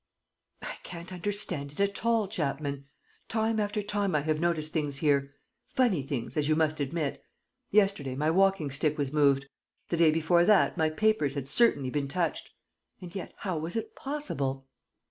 "I can't understand it at all, Chapman. Time after time I have noticed things here ... funny things, as you must admit. Yesterday, my walking stick was moved. ... The day before that, my papers had certainly been touched. ... And yet how was it possible?